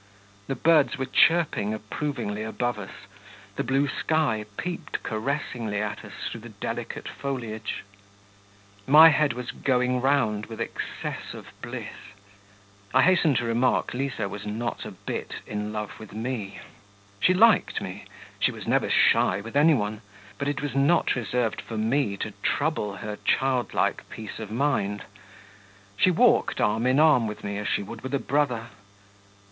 The birds were chirping approvingly above us, the blue sky peeped caressingly at us through the delicate foliage. My head was going round with excess of bliss. I hasten to remark, Liza was not a bit in love with me. She liked me; she was never shy with any one, but it was not reserved for me to trouble her childlike peace of mind. She walked arm in arm with me, as she would with a brother.